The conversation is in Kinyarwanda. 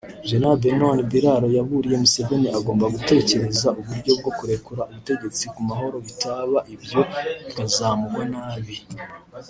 Gen Benon Biraaro yaburiye Museveni agomba gutekereza uburyo bwo kurekura ubutegetsi ku mahoro bitaba ibyo bikazamugwa nabi